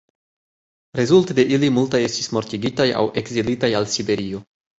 Rezulte de ili multaj estis mortigitaj aŭ ekzilitaj al Siberio.